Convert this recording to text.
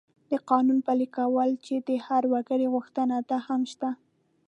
د قانون پلي کول چې د هر وګړي غوښتنه ده، هم شته.